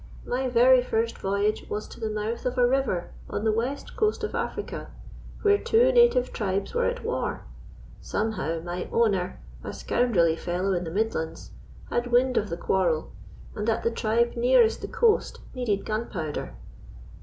My very first voyage was to the mouth of a river on the West Coast of Africa, where two native tribes were at war. Somehow, my owner a scoundrelly fellow in the Midlands had wind of the quarrel, and that the tribe nearest the coast needed gunpowder.